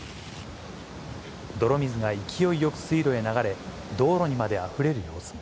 泥水が勢いよく水路へ流れ、道路にまであふれる様子も。